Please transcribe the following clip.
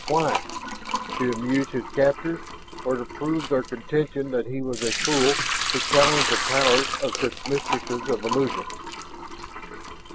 Why? To amuse his captors, or to prove their contention that he was a fool to challenge the powers of such mistresses of illusion?